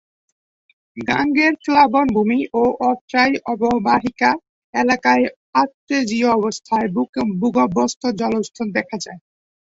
গাঙ্গেয় প্লাবনভূমি ও আত্রাই অববাহিকা এলাকায় আর্তেজীয় অবস্থার ভূগর্ভস্থ জলস্তর দেখা যায়।